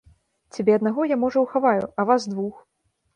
Цябе аднаго я, можа, ухаваю, а вас двух?!